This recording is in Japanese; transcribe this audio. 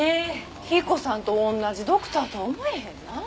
彦さんと同じドクターとは思えへんなあ。